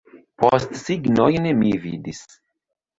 Postsignojn mi vidis.